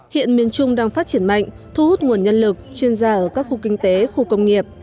hiện miền trung đang phát triển mạnh thu hút nguồn nhân lực chuyên gia ở các khu kinh tế khu công nghiệp